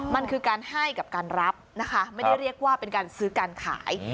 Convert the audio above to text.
มันคือการให้กับการรับนะคะไม่ได้เรียกว่าเป็นการซื้อการขาย